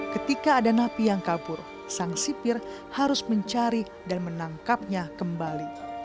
ketika ada napi yang kabur sang sipir harus mencari dan menangkapnya kembali